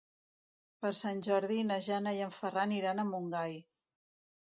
Per Sant Jordi na Jana i en Ferran iran a Montgai.